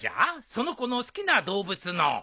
その子の好きな動物の。